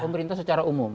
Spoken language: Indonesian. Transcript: pemerintah secara umum